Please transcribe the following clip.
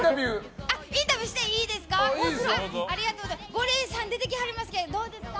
ゴリエさん出てきはりましたけどどうですか。